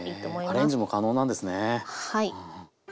アレンジも可能なんですね。